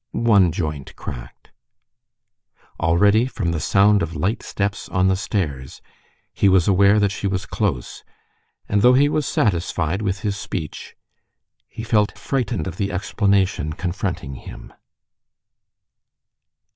One joint cracked. Already, from the sound of light steps on the stairs, he was aware that she was close, and though he was satisfied with his speech, he felt frightened of the explanation confronting him....